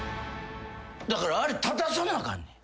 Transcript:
だからあれ立たさなあかんねん。